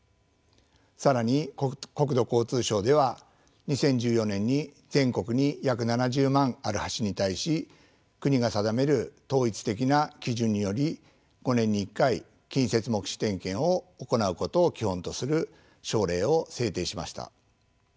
更に国土交通省では２０１４年に全国に約７０万ある橋に対し国が定める統一的な基準により５年に１回近接目視点検を行うことを基本とする省令を制定しました。